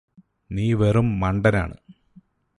നീ വെറും മണ്ടനാണ്